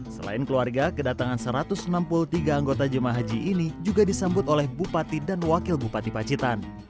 selain keluarga kedatangan satu ratus enam puluh tiga anggota jemaah haji ini juga disambut oleh bupati dan wakil bupati pacitan